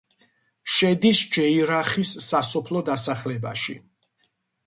შედის ჯეირახის სასოფლო დასახლებაში.